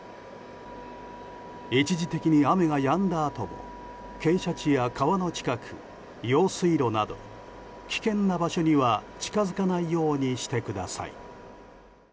一時的に雨が止んだあとも傾斜地や川の近く用水路など危険な場所には近づかないようにしてください。